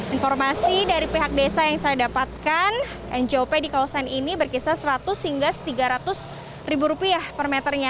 informasi dari pihak desa yang saya dapatkan njop di kawasan ini berkisar seratus hingga tiga ratus ribu rupiah per meternya